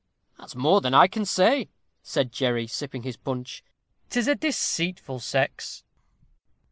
"That's more than I can say," said Jerry, sipping his punch. "'Tis a deceitful sex!"